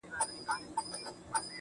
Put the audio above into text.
یو څوک دي ووایي چي کوم هوس ته ودرېدم .